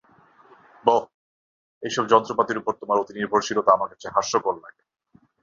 বোহ, এইসব যন্ত্রপাতির উপর তোমার অতি নির্ভরশীলতা আমার কাছে হাস্যকর লাগে।